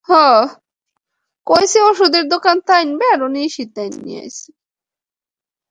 কিন্তু শাহজাদপুরে লেকপাড়ে নতুন কোনো স্থাপনার জন্য নকশা পাস করা হয়নি।